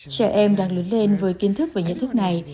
trẻ em đang lớn lên với kiến thức về nhận thức này